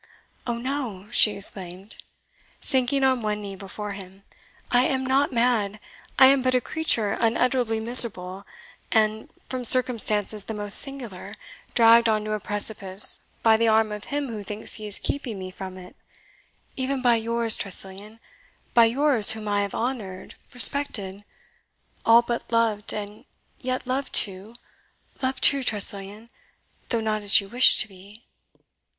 "Oh, no!" she exclaimed, sinking on one knee before him, "I am not mad I am but a creature unutterably miserable, and, from circumstances the most singular, dragged on to a precipice by the arm of him who thinks he is keeping me from it even by yours, Tressilian by yours, whom I have honoured, respected all but loved and yet loved, too loved, too, Tressilian though not as you wished to be."